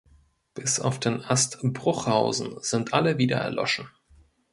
Bis auf den Ast Bruchhausen sind alle wieder erloschen.